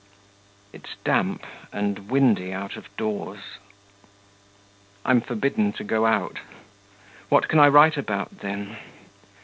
It's damp and windy out of doors. I'm forbidden to go out. What can I write about, then?